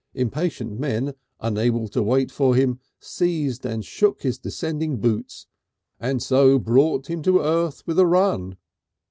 Impatient men unable to wait for him seized and shook his descending boots, and so brought him to earth with a run.